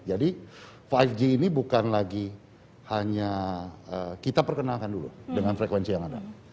jadi lima g ini bukan lagi hanya kita perkenalkan dulu dengan frekuensi yang ada